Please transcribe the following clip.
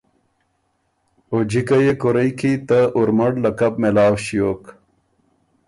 او جکه يې کورئ کی ته اورمړ لقب مېلاؤ ݭیوک۔